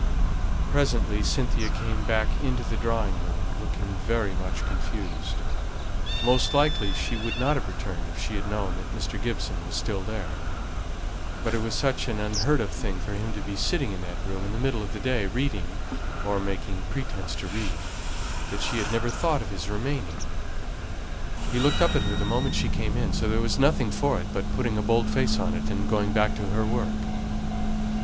Presently Cynthia came back into the drawing room, looking very much confused. Most likely she would not have returned if she had known that Mr. Gibson was still there; but it was such an unheard of thing for him to be sitting in that room in the middle of the day, reading or making pretence to read, that she had never thought of his remaining. He looked up at her the moment she came in, so there was nothing for it but putting a bold face on it, and going back to her work.